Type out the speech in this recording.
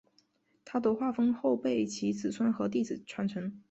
他的画风后被其子孙和弟子传承。